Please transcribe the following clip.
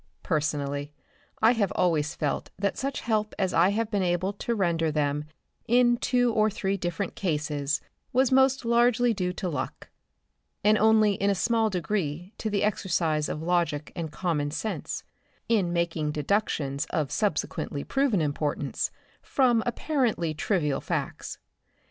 Personally I have always felt that such help as I have been able to render them in two or three different cases was most largely due to luck, and only in a small degree to the exercise of logic and common sense in making deductions of subsequently proven importance from apparently trivial facts.